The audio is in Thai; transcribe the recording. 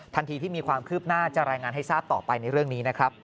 ทันทีที่มีความคืบหน้าจะรายงานให้ทราบต่อไปในเรื่องนี้นะครับ